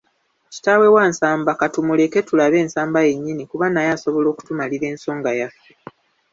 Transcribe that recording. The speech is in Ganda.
Kitaawe wa Nsamba katumuleke tulabe Nsamba yennyini kuba naye asobola okutumalira ensonga yaffe.